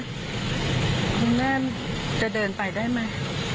คุณแม่จะเดินไปได้ไหม